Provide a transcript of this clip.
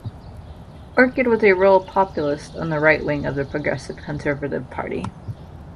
Orchard was a rural populist, on the right-wing of the Progressive Conservative Party.